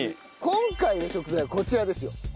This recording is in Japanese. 今回の食材はこちらですよ。